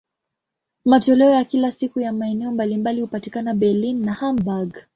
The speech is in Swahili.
Matoleo ya kila siku ya maeneo mbalimbali hupatikana Berlin na Hamburg.